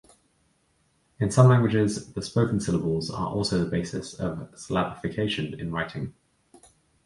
In some languages, the spoken syllables are also the basis of syllabification in writing.